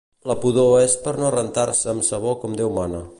La pudor és per no rentar-se amb sabó com deu mana